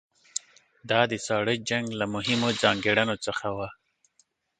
دا د ساړه جنګ له مهمو ځانګړنو څخه وه.